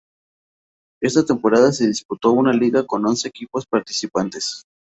Esta temporada se disputó una liga con once equipos participantes.